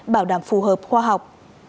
bảo đảm phù hợp khoa học